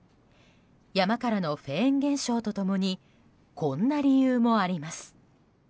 山からのフェーン現象と共にこんな理由もあります。